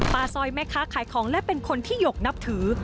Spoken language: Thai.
ซอยแม่ค้าขายของและเป็นคนที่หยกนับถือ